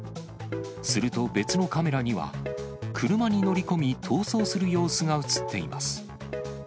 すると、別のカメラには車に乗り込み、逃走する様子が写っています。